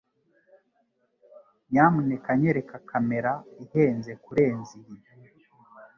Nyamuneka nyereka kamera ihenze kurenza iyi